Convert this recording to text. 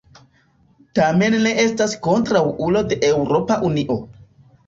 Tamen ne estas kontraŭulo de Eŭropa Unio.